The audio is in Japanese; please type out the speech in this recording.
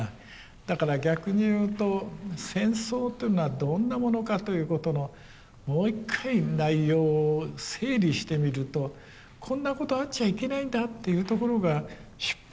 だから逆に言うと戦争というのはどんなものかということのもう一回内容を整理してみるとこんなことあっちゃいけないんだっていうところが出発点であり結論なんだっていうことになるんじゃないかと思いますね。